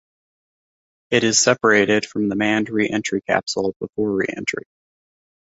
It is separated from the manned reentry capsule before reentry.